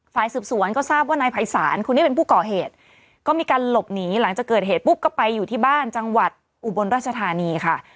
ฝ่ายสืบสวนก็ทราบว่านายภัยศาลคนนี้เป็นผู้ก่อเหตุก็มีการหลบหนีหลังจากเกิดเหตุปุ๊บก็ไปอยู่ที่บ้านจังหวัดอุบลราชธานีค่ะ